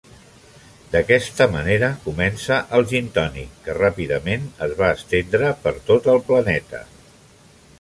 D'aquesta manera comença el gintònic, que ràpidament es va estendre per tot el planeta.